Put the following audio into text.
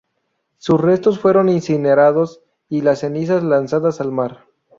Sus restos fueron incinerados y las cenizas lanzadas al mar.